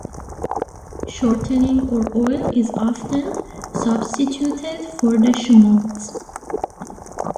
Shortening or oil is often substituted for the schmaltz.